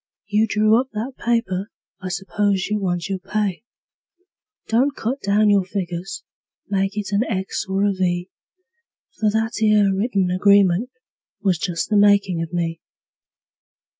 You drew up that paper I s'pose you want your pay. Don't cut down your figures; make it an X or a V; For that 'ere written agreement was just the makin' of me.